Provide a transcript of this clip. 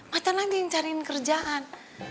macan aja yang cariin kerjaan